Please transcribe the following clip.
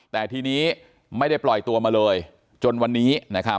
แต่ทีนี้ไม่ได้ปล่อยตัวมาเลยจนวันนี้นะครับ